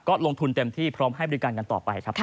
ก็ลงทุนเต็มที่พร้อมให้บริการกันต่อไปครับ